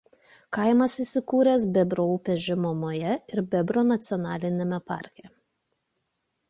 Kaimas įsikūręs Bebro upės žemumoje ir Bebro nacionaliniame parke.